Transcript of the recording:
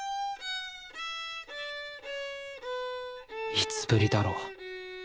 いつぶりだろう。